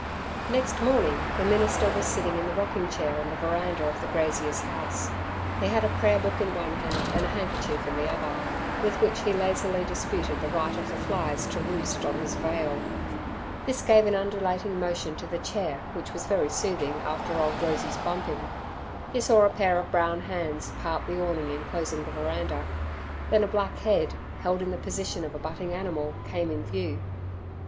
Next morning the minister was sitting in the rocking chair on the veranda of the grazier's house He had a prayer book in one hand and a handkerchief in the other, with which he lazily disputed the right of the flies to roost on his veil. This gave an undulating motion to the chair which was very soothing after old Rosey's bumping. He saw a pair of brown hands part the awning enclosing the veranda. Then a black head, held in the position of a butting animal, came in view.